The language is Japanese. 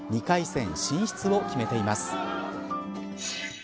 ２回戦進出を決めています。